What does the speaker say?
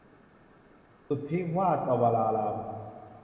สุทธิวาตวราราม